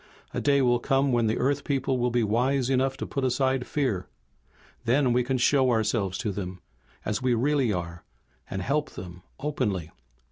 A day will come when the Earth people will be wise enough to put aside fear. Then we can show ourselves to them as we really are, and help them openly."